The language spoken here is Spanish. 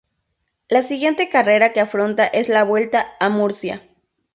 La siguiente carrera que afronta es la Vuelta a Murcia.